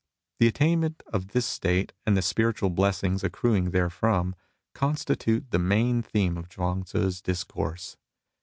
The attainment of this state, and the spiritual blessings accruing therefrom, constitute the main theme of Ghuang Tzti's discourse.